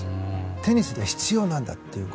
テニスで必要なんだと。